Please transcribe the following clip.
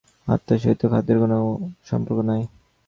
আত্মার সহিত খাদ্যের কোন সম্পর্ক নাই।